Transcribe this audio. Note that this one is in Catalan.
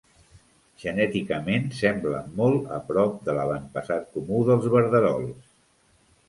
Genèticament, sembla molt a prop de l'avantpassat comú dels verderols.